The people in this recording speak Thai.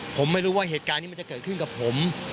ผมไม่รู้ว่าเหตุการณ์นี้มันจะเกิดขึ้นกับผม